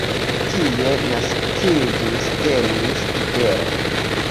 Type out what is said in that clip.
Tie naskiĝis Denis Diderot.